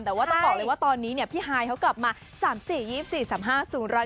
แต่ว่าต้องบอกเลยว่าตอนนี้พี่ฮายเขากลับมา๓๔๒๔๓๕๐